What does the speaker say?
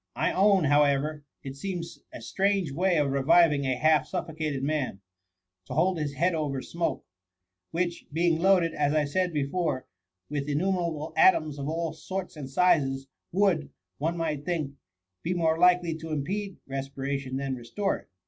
I own, how ever, it seems a strange way of reviving a half suffocated man, to hold his head over smoke, which, being loaded, as I said before, with innumerable atoms of all sorts and sizes, would, one might think, be more likely to impede res piration than restore it.